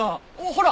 ほら！